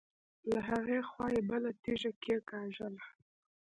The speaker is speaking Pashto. له هغې خوا يې بله تيږه کېکاږله.